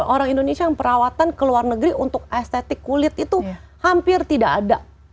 orang indonesia yang perawatan ke luar negeri untuk estetik kulit itu hampir tidak ada